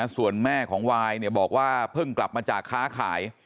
ส่วนแม่ของวายบอกว่าเพิ่งกลับมาจากค้าขาย